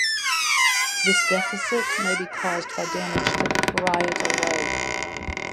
This deficit may be caused by damage to the parietal lobe.